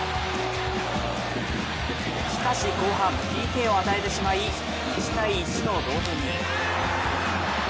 しかし後半、ＰＫを与えてしまい１−１の同点に。